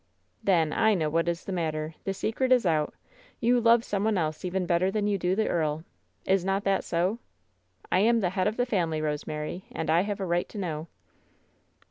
"Then, I know what is the matter. The secret is out! You love some one else even better than you do the earl! Is not that so? I am the head of the family, Rosemary, and I have a right to know."